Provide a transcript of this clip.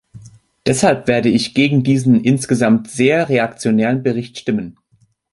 Deshalb werde ich gegen diesen insgesamt sehr reaktionären Bericht stimmen.